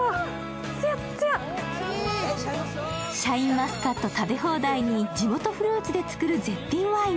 シャインマスカット食べ放題に、地元フルーツで作る絶品ワイン。